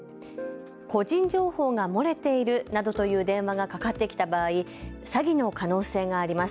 個人情報が漏れているなどという電話がかかってきた場合、詐欺の可能性があります。